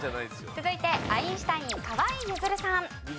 続いてアインシュタイン河井ゆずるさん。